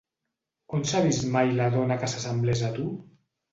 On s'ha vist mai la dona que s'assemblés a tu?